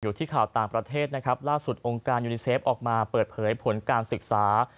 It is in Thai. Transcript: ข่าวต่างประเทศนะครับล่าสุดองค์การยูนิเซฟออกมาเปิดเผยผลการศึกษา